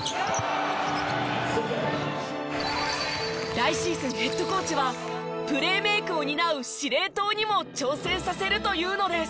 来シーズンヘッドコーチはプレーメイクを担う司令塔にも挑戦させるというのです。